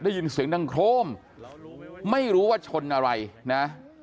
ได้ยินเสียงดังโครมไม่รู้ว่าชนอะไรนะ